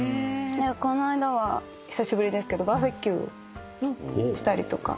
この間は久しぶりですけどバーベキューをしたりとか。